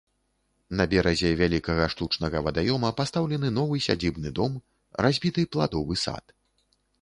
На беразе вялікага штучнага вадаёма пастаўлены новы сядзібны дом, разбіты пладовы сад.